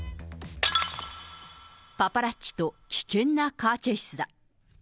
パパラッチと危険なカーチェイスだ。